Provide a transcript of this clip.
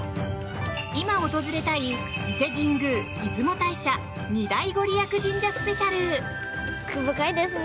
今、訪れたい伊勢神宮・出雲大社２大ご利益神社スペシャル！